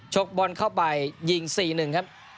กบอลเข้าไปยิง๔๑ครับ